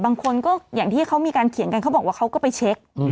บางคนก็อย่างที่เขามีการเขียนกันเขาบอกว่าเขาก็ไปเช็ค